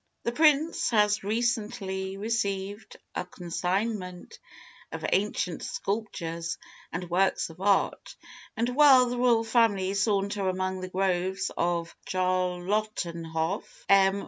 "The prince has recently received a consignment of ancient sculptures and works of art, and while the royal family saunter among the groves of Charlottenhof, M.